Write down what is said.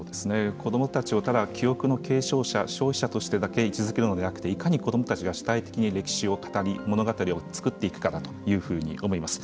子どもたちを、ただ記憶の継承者消費者としてだけ位置づけるのではなくていかに子どもたちが主体的に歴史を語り物語を作っていくかだというふうに思います。